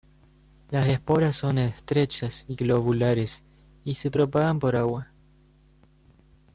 Las esporas son estrechas y globulares, y se propagan por agua.